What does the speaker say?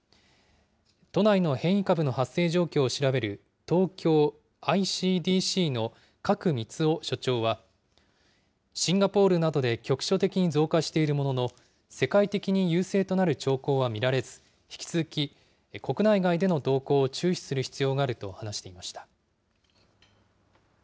都内の変異株の発生状況を調べる東京ｉＣＤＣの賀来満夫所長は、シンガポールなどで局所的に増加しているものの、世界的に優勢となる兆候は見られず、引き続き国内外での動向を注視する必要があると話していました。